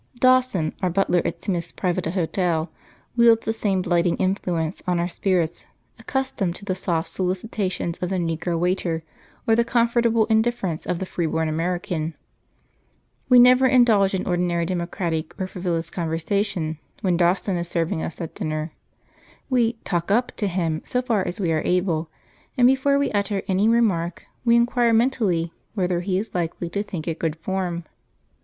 Dawson, our butler at Smith's private hotel, wields the same blighting influence on our spirits, accustomed to the soft solicitations of the negro waiter or the comfortable indifference of the free born American. We never indulge in ordinary democratic or frivolous conversation when Dawson is serving us at dinner. We 'talk up' to him so far as we are able, and before we utter any remark we inquire mentally whether he is likely to think it good form.